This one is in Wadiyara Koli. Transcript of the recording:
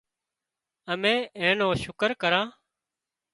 امين اين نو شڪر ڪران